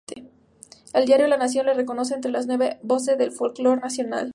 El diario La Nación la reconoce entre las nuevas voces del folclore Nacional.